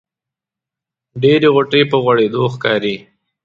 ډېرې غوټۍ په غوړېدو ښکاري.